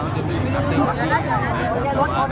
มันจะมีเรื่องรับสืบปักทีนะครับ